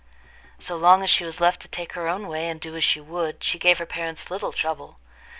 So long as she was left to take her own way and do as she would, she gave her parents little trouble.